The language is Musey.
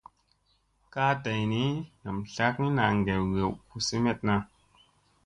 Kaa day ni, nam tlakgi naa gew gew ko semeɗna.